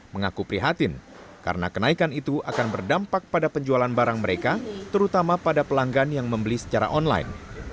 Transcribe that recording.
mengaku prihatin karena kenaikan itu akan berdampak pada penjualan barang mereka terutama pada pelanggan yang membeli secara online